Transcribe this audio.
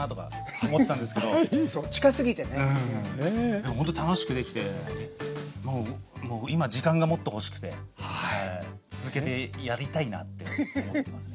でもほんと楽しくできてもう今時間がもっと欲しくて続けてやりたいなって思ってますね。